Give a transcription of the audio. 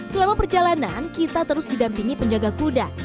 selama perjalanan kita terus didampingi penjaga kuda